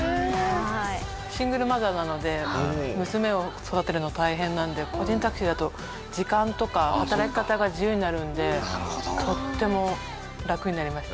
シングルマザーなので娘を育てるの大変なので個人タクシーだと時間とか働き方が自由になるのでとってもラクになりました。